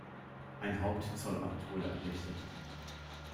Ein Hauptzollamt wurde errichtet.